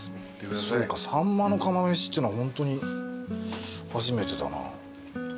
そうかさんまの釜めしってのはホントに初めてだな。